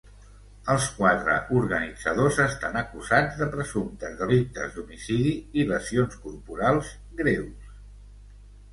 Els quatre organitzadors estan acusats de presumptes delictes d’homicidi i lesions corporals greus.